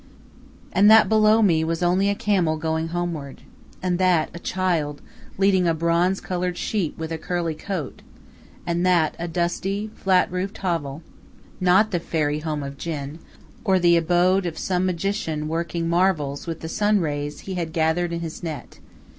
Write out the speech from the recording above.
And that below me was only a camel going homeward, and that a child leading a bronze colored sheep with a curly coat, and that a dusty, flat roofed hovel, not the fairy home of jinn, or the abode of some magician working marvels with the sun rays he had gathered in his net.